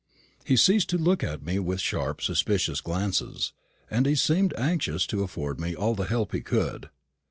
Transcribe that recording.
He ceased to look at me with sharp, suspicious glances, and he seemed anxious to afford me all the help he could.